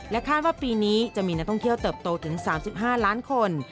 คาดว่าปีนี้จะมีนักท่องเที่ยวเติบโตถึง๓๕ล้านคน